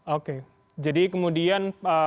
oke jadi kemudian